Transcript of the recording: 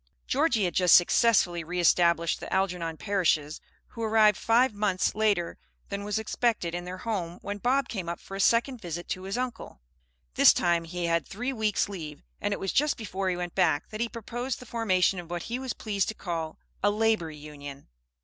Georgie had just successfully re established the Algernon Parishes, who arrived five months later than was expected, in their home, when Bob came up for a second visit to his uncle. This time he had three weeks' leave, and it was just before he went back that he proposed the formation of what he was pleased to call "A Labor Union."